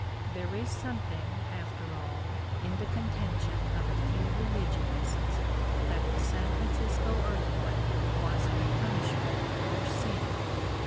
There is something, after all, in the contention of a few religionists that the San Francisco earthquake was a punishment for sin.